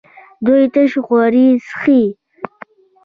دی تش خوري څښي.